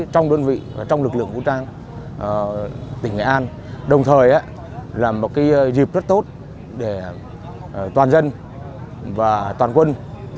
trong đơn vị trong lực lượng vũ trang tỉnh nghệ an đồng thời là một dịp rất tốt để toàn dân và toàn quân